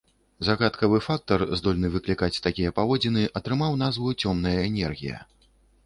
Загадкавы фактар, здольны выклікаць такія паводзіны, атрымаў назву цёмная энергія.